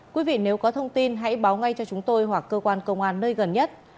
quý vị nếu có thông tin hãy báo ngay cho chúng tôi hoặc cơ quan công an nơi gần nhất